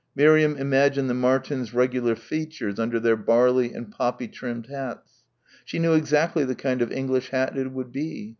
Miriam imagined the Martins' regular features under their barley and poppy trimmed hats. She knew exactly the kind of English hat it would be.